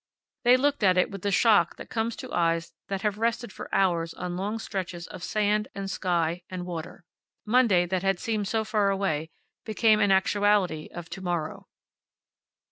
They looked at it with the shock that comes to eyes that have rested for hours on long stretches of sand and sky and water. Monday, that had seemed so far away, became an actuality of to morrow.